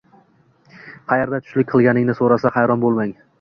Qayerda tushlik qilganingizni so’rasa, hayron bo’lmang.